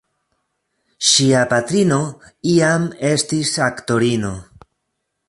Ŝia patrino iam estis aktorino.